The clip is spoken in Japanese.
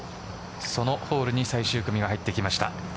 そのホールに最終組が入ってきました。